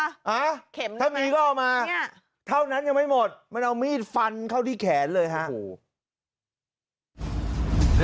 ฮะถ้ามีก็เอามาเนี่ยเท่านั้นยังไม่หมดมันเอามีดฟันเข้าที่แขนเลยฮะโอ้โห